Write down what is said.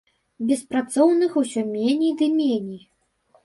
Беспрацоўных усё меней ды меней.